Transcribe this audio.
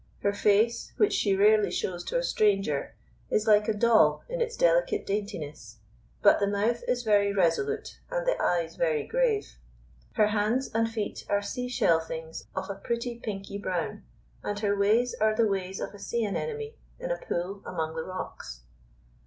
Her face, which she rarely shows to a stranger, is like a doll in its delicate daintiness; but the mouth is very resolute, and the eyes very grave. Her hands and feet are sea shell things of a pretty pinky brown, and her ways are the ways of a sea anemone in a pool among the rocks.